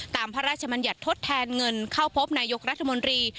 ตามพระราชมัญญัติทดแทนเงินเข้าพบนายกรัฐมนตรี